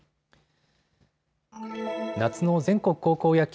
夏の全国高校野球。